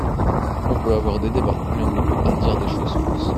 On peut avoir des débats, mais on ne peut pas dire des choses fausses.